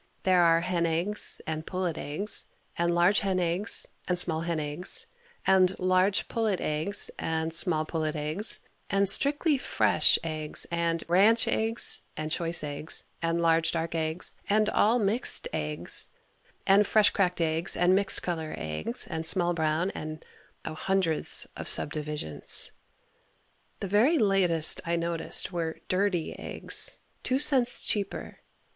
There are hen eggs and pullet eggs and large hen eggs and small hen eggs and large pullet eggs and small pullet eggs and strictly fresh eggs and ranch eggs and choice eggs and large dark eggs and all mixed eggs and fresh cracked eggs and mixed color eggs and small brown and, oh, hundreds of sub divisions. The very latest I noticed were "dirty" eggs, 2 cents cheaper.